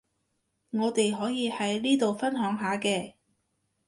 我哋可以喺呢度分享下嘅